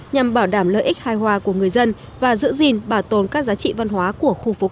nhằm bảo đảm lợi ích hài hòa của người dân và giữ gìn bảo tồn các giá trị văn hóa của khu phố